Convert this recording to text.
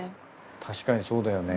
確かにそうだよね。